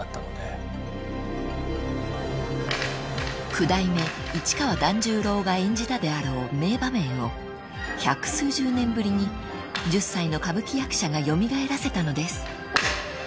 ［九代目市川團十郎が演じたであろう名場面を百数十年ぶりに１０歳の歌舞伎役者が蘇らせたのです］